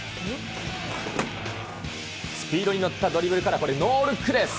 スピードに乗ったドリブルから、これ、ノールックです。